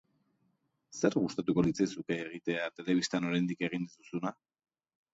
Zer gustatuko litzaizuke egitea telebistan oraindik egin ez duzuna?